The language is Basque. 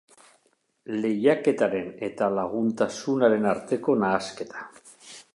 Lehiaketaren eta laguntasunaren arteko nahasketa.